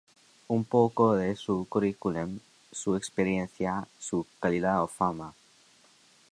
Un poco de su curriculum, su experiencia, su calidad o fama.